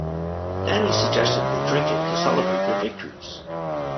Danny suggests they drink it to celebrate their victories.